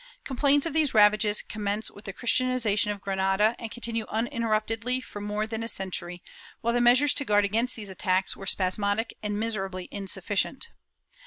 Complaints of these ravages commence with the Christianiza tion of Granada and continue uninterruptedly for more than a century, while the measures to guard against these attacks were spasmodic and miserably insufficient.